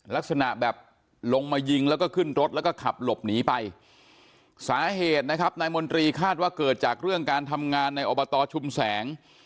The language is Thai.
ลักษณะแบบลงมายิงแล้วก็ขึ้นรถแล้วก็ขับหลบหนีไปสาเหตุนะครับนายมนตรีคาดว่าเกิดจากเรื่องการทำงานในอบตชุมแสง